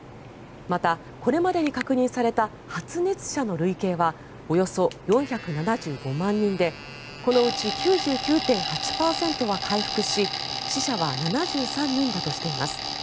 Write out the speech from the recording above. また、これまでに確認された発熱者の累計はおよそ４７５万人でこのうち９９．８％は回復し死者は７３人だとしています。